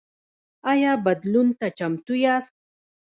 ایا بدلون ته چمتو یاست؟